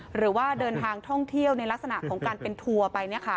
หรือว่าเดินทางท่องเที่ยวในลักษณะของการเป็นทัวร์ไป